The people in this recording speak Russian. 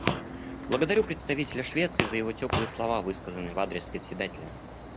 Благодарю представителя Швеции за его теплые слова, высказанные в адрес Председателя.